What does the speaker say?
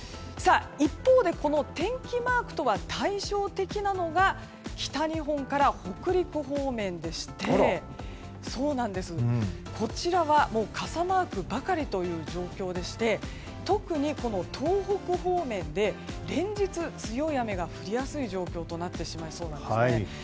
一方で天気マークとは対照的なのが北日本から北陸方面でしてこちらは傘マークばかりという状況でして特に東北方面で連日、強い雨が降りやすい状況となってしまいそうなんです。